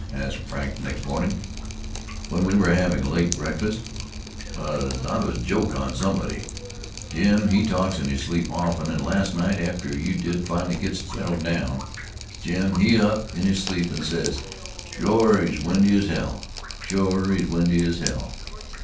asked Frank next morning, when we were having a late breakfast. "Cause I've a joke on somebody. Jim he talks in his sleep often, an' last night after you did finally get settled down, Jim he up in his sleep an' says: 'Shore he's windy as hell! Shore he's windy as hell'!"